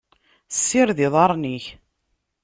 Ssired iḍarren-ik.